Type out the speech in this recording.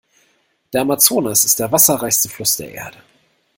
Der Amazonas ist der wasserreichste Fluss der Erde.